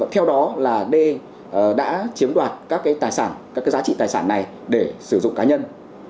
theo đó là d đã chiếm đoạt các giá trị tài sản này để sử dụng cá nhân